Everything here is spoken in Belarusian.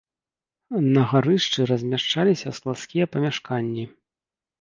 На гарышчы размяшчаліся складскія памяшканні.